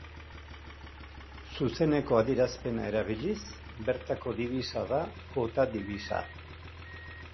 Zuzeneko adierazpena erabiliz, bertako dibisa da kuota dibisa.